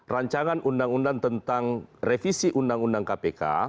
rancangan undang undang tentang revisi undang undang kpk